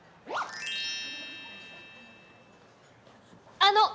「あの！」